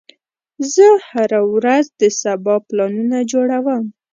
زه هره ورځ د سبا پلانونه جوړوم.